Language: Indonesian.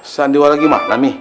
sandiwara gimana mih